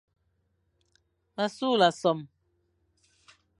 M a sughle sôm.